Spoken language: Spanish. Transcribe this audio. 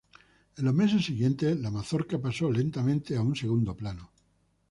En los meses siguientes, la Mazorca pasó lentamente a un segundo plano.